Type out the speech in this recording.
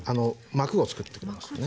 膜をつくってくれますね。